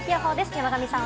山神さん